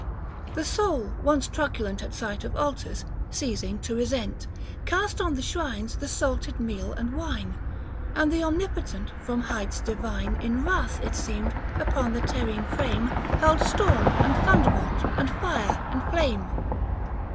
The soul once truculent 300 At sight of altars, ceasing to resent, Oast on the shrines the salted tor and wine ; And the omnipotent from heights divine In wrath, it seemed, upon the terrene frame Hurl'd storm, and thunderbolt, and fire, and flame.